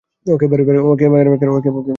ও একেবারে বেকার।